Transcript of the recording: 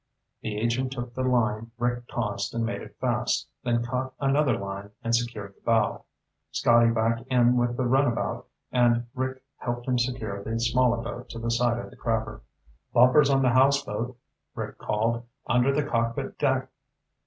The agent took the line Rick tossed and made it fast, then caught another line and secured the bow. Scotty backed in with the runabout and Rick helped him secure the smaller boat to the side of the crabber. "Bumpers on the houseboat," Rick called. "Under the cockpit deck."